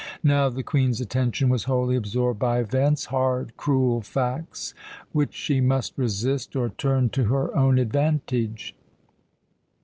Now the Queen's attention was wholly absorbed by events hard, cruel facts which she must resist or turn to her own advantage.